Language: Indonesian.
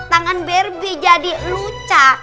tangan berbi jadi lucak